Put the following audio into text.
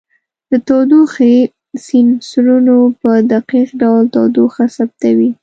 د تودوخې سینسرونو په دقیق ډول تودوخه ثبتوي.